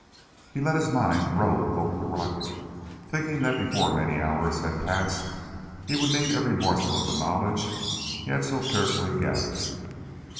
He let his mind rove over the rocket thinking that before many hours had passed he would need every morsel of the knowledge he had so carefully gathered.